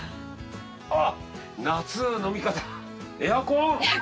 あっ夏の味方エアコン。